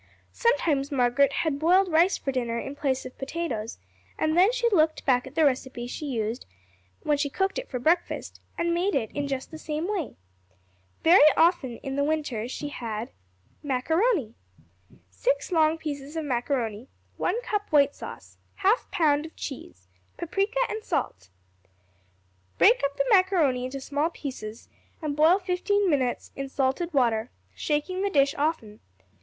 Sometimes Margaret had boiled rice for dinner in place of potatoes, and then she looked back at the recipe she used when she cooked it for breakfast, and made it in just the same way. Very often in winter she had Macaroni 6 long pieces of macaroni. 1 cup white sauce. 1/2 pound of cheese. Paprika and salt. Break up the macaroni into small pieces, and boil fifteen minutes in salted water, shaking the dish often.